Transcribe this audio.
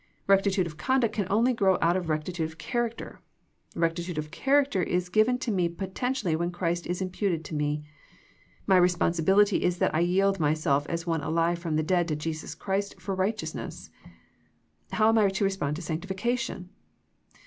Kectitude of conduct can only grow out of rectitude of character. Eectitude of character is given to me potentially when Christ is imputed to me. My responsibility is that I yield myself as one alive from the dead to Jesus Christ for righteousness. How am I to respond to sanctifi cation